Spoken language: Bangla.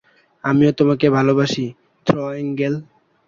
আমিও তোমাকে ভালোবাসি, থ্র আঙ্কেল।